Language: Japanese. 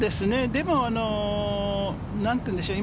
でも何て言うんでしょう？